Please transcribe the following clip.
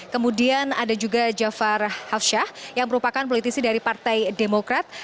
kemudian ada juga jafar hafsyah yang merupakan politisi dari partai demokrat